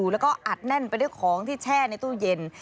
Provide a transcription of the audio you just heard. แล้วก็อัดแน่นไปด้วยของที่แช่ในตู้เย็น